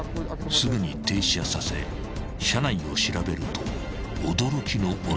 ［すぐに停車させ車内を調べると驚きの物が］